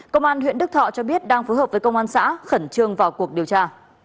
công an huyện đức thọ cho biết đang phối hợp với công an xã khẩn trương vào cuộc điều tra